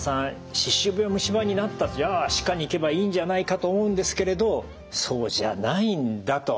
じゃあ歯科に行けばいいんじゃないかと思うんですけれどそうじゃないんだと。